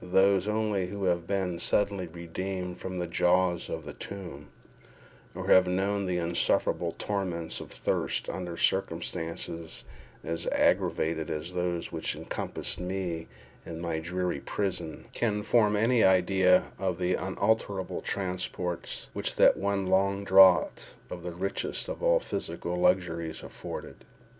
Those only who have been suddenly redeemed from the jaws of the tomb, or who have known the insufferable torments of thirst under circumstances as aggravated as those which encompassed me in my dreary prison, can form any idea of the unutterable transports which that one long draught of the richest of all physical luxuries afforded.